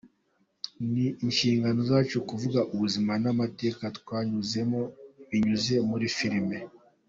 Ni inshingano zacu kuvuga ubuzima n’amateka twanyuzemo binyuze muri filime.